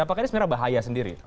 apakah ini sebenarnya bahaya sendiri